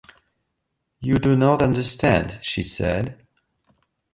"You do not understand," she said.